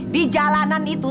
di jalanan itu